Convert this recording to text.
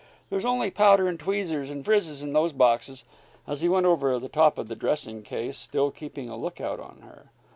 There's only powder and tweezers and frizzes in those boxes," as he went over the top of the dressing case, still keeping a lookout on her.